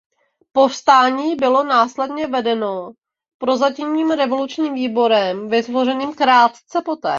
Povstání bylo následně vedeno Prozatímním revolučním výborem vytvořeným krátce poté.